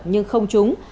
nhưng không trúng